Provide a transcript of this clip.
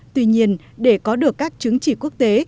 tuy nhiên để có được các chứng chỉ quốc tế